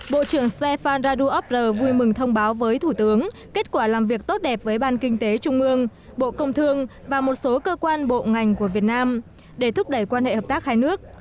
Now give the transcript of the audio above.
bộ trưởng stefan raduopr vui mừng thông báo với thủ tướng kết quả làm việc tốt đẹp với ban kinh tế trung ương bộ công thương và một số cơ quan bộ ngành của việt nam để thúc đẩy quan hệ hợp tác hai nước